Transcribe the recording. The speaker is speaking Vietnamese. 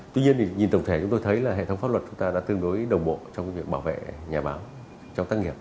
tuy nhiên thì nhìn tổng thể chúng tôi thấy là hệ thống pháp luật chúng ta đã tương đối đồng bộ trong việc bảo vệ nhà báo trong tác nghiệp